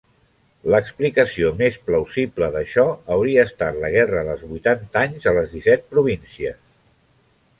L'explicació més plausible d'això hauria estat la guerra dels vuitanta anys a les disset províncies.